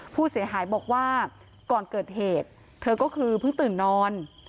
ผู้เสียหายบอกว่าก่อนเกิดเหตุเธอก็คือเพิ่งตื่นนอน